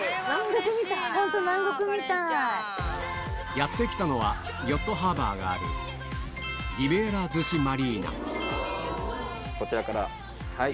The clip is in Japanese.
やって来たのはヨットハーバーがあるこちらから。